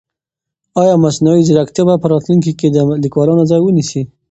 آیا مصنوعي ځیرکتیا به په راتلونکي کې د لیکوالانو ځای ونیسي؟